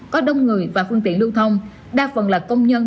có đông người và phương tiện lưu thông đa phần là công nhân